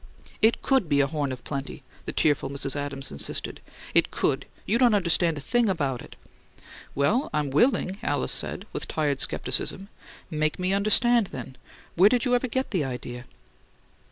"It COULD be a horn of plenty," the tearful Mrs. Adams insisted. "It could! You don't understand a thing about it." "Well, I'm willing," Alice said, with tired skepticism. "Make me understand, then. Where'd you ever get the idea?"